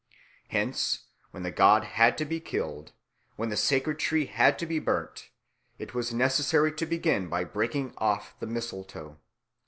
Hence when the god had to be killed when the sacred tree had to be burnt it was necessary to begin by breaking off the mistletoe.